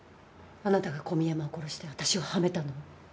あなたが小宮山を殺して私をハメたの？